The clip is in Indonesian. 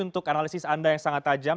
untuk analisis anda yang sangat tajam